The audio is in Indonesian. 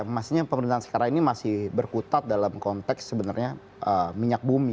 maksudnya pemerintahan sekarang ini masih berkutat dalam konteks sebenarnya minyak bumi